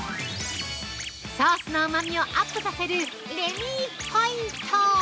ソースのうまみをアップさせるレミーポイント。